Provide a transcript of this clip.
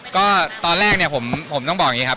ก็ตอนแรกเนี่ยผมต้องบอกอย่างนี้ครับ